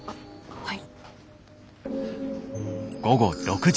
はい。